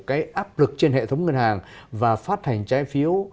cái áp lực trên hệ thống ngân hàng và phát hành trái phiếu